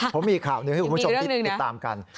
ผมมีอีกข่าวหนึ่งให้คุณผู้ชมติดตามกัน